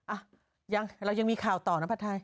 อ่ะยังเรายังมีข่าวต่อนะผัดไทย